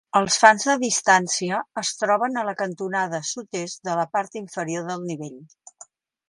Els fans de distància es troben a la cantonada sud-est de la part inferior del nivell.